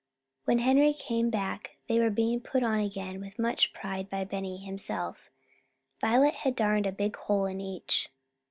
When Henry came they were being put on again with much pride by Benny himself. Violet had darned a big hole in each.